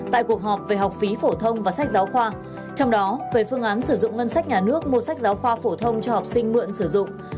tại cuộc họp về học phí phổ thông và sách giáo khoa trong đó về phương án sử dụng ngân sách nhà nước mua sách giáo khoa phổ thông cho học sinh mượn sử dụng